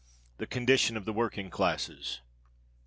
THE CONDITION OF THE WORKING CLASSES.